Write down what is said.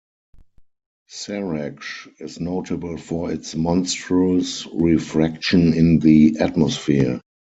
Saraksh is notable for its monstrous refraction in the atmosphere.